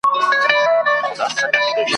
یا غازیان یا شهیدان یو په دې دوه نومه نازیږو !.